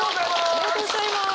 ありがとうございます。